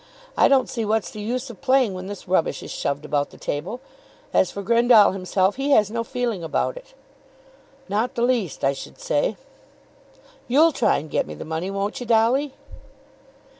I don't see what's the use of playing when this rubbish is shoved about the table. As for Grendall himself, he has no feeling about it." "Not the least, I should say." "You'll try and get me the money, won't you, Dolly?"